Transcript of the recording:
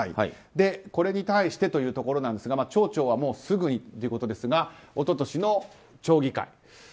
これに対してというところですが、町長はすぐにということですが一昨年の町議会。